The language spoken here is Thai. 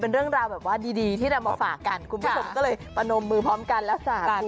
เป็นเรื่องราวแบบว่าดีที่เรามาฝากกันคุณผู้ชมก็เลยประนมมือพร้อมกันและฝากกัน